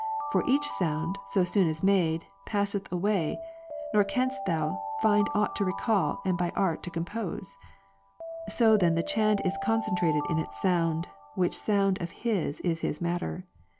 For each sound, as soon as made, passeth away, nor canst thou find ought to recall and by art to compose. So then the chant is concentrated in its sound, which sound of his is his matter.